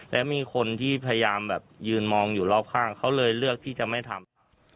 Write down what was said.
และมีคนที่พยายามแบบยืนมองอยู่รอบข้างเขาเลยเลือกที่จะไม่ทำ